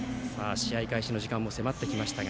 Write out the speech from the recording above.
試合開始の時間も迫ってきましたが